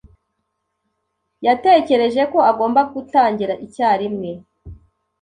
Yatekereje ko agomba gutangira icyarimwe.